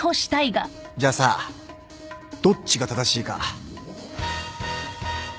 じゃあさどっちが正しいか賭けてみる？